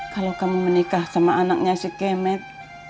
kalau kamu menikah sama anaknya si kemet